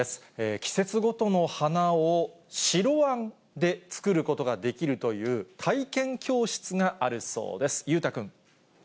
季節ごとの花を白あんで作ることができるという、体験教室があるそうです。